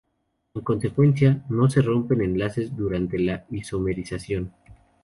En consecuencia, no se rompen enlaces durante la isomerización.